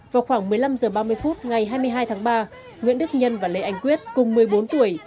vào khoảng một mươi năm h ba mươi phút ngày hai mươi hai tháng ba nguyễn đức nhân và lê anh quyết cùng một mươi bốn tuổi